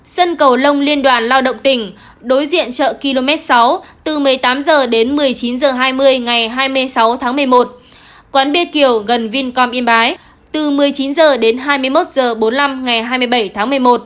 sân cầu lông liên đoàn lao động tỉnh đối diện chợ km sáu từ một mươi tám h đến một mươi chín h hai mươi ngày hai mươi ba h